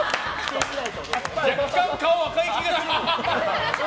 若干顔が赤い気がする。